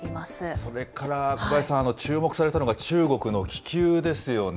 それから、小林さん、注目されたのが中国の気球ですよね。